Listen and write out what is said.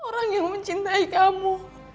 orang yang mencintai kamu